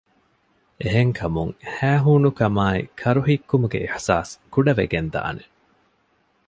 އެހެންކަމުން ހައިހޫނުކަމާއި ކަރުހިއްކުމުގެ އިޙްސާސް ކުޑަވެގެންދާނެ